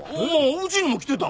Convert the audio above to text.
うちにも来てた。